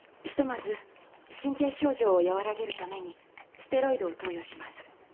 ひとまず神経症状を和らげるためにステロイドを投与します。